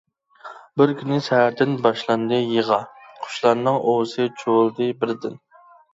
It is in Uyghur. بىر كۈنى سەھەردىن باشلاندى يىغا، قۇشلارنىڭ ئۇۋىسى چۇۋۇلدى بىردىن.